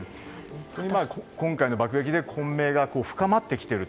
今回の爆撃で混迷が深まってきていると。